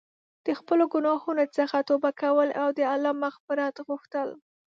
د خپلو ګناهونو څخه توبه کول او د الله مغفرت غوښتل.